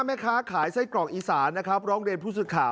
แม่ค้าขายไส้กรอกอีสานนะครับร้องเรียนผู้สื่อข่าว